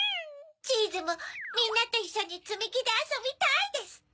チーズも「みんなといっしょにつみきであそびたい！」ですって。